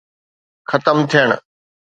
ختم ٿيڻ.